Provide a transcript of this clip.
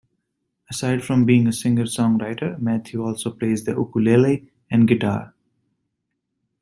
Aside from being a singer-songwriter, Matthew also plays the ukulele and guitar.